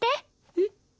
えっ？